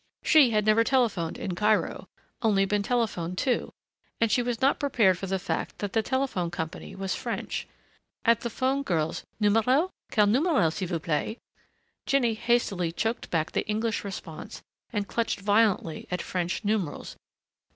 She had never telephoned in Cairo only been telephoned to and she was not prepared for the fact that the telephone company was French. At the phone girl's "Numero? Quel numero, s'il vous plait?" Jinny hastily choked back the English response and clutched violently at French numerals.